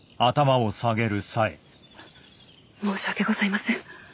申し訳ございません。